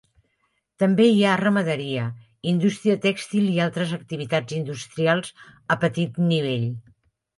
També hi ha ramaderia, indústria tèxtil i altres activitats industrials a petit nivell.